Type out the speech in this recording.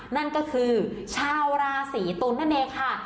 นั่นก็คือชาวราศีตุลนั่นเองค่ะ